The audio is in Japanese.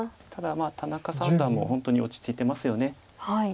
ただ田中三段も本当に落ち着いてますよね。